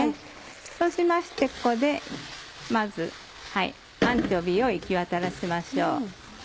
そうしましてここでまずアンチョビーを行きわたらせましょう。